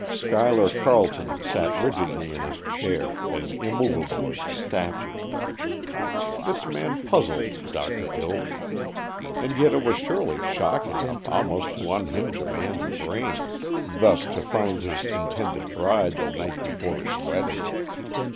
Schuyler Carleton sat rigidly in his chair, as immovable as a statue. This man puzzled Doctor Hills. And yet it was surely shock enough almost to unhinge a man's brain thus to find his intended bride the night before his wedding.